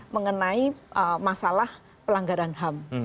mengenai masalah pelanggaran ham